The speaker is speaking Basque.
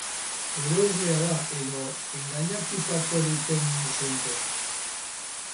Eroslea da edo engainatuko duten inuzentea?